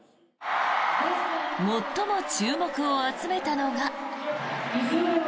最も注目を集めたのが。